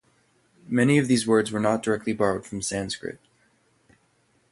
Many of these words were not directly borrowed from Sanskrit.